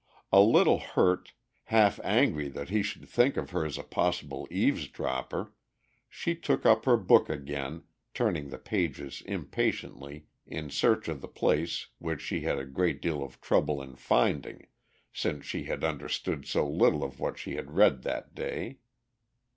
A little hurt, half angry that he should think of her as a possible eavesdropper, she took up her book again, turning the pages impatiently in search of the place which she had a great deal of trouble in finding since she had understood so little of what she had read that day.